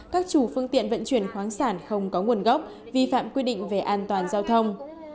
các chủ phương tiện vận chuyển khoáng sản không có nguồn gốc vi phạm quy định về an toàn giao thông